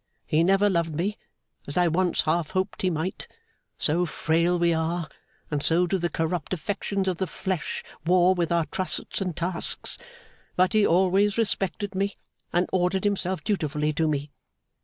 He never loved me, as I once half hoped he might so frail we are, and so do the corrupt affections of the flesh war with our trusts and tasks; but he always respected me and ordered himself dutifully to me.